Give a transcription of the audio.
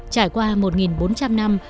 trải qua một bốn trăm linh năm